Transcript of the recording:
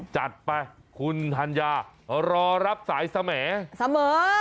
จัดไปคุณทานยารอรับสายเสมอ